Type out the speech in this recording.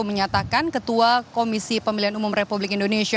menyatakan ketua komisi pemilihan umum republik indonesia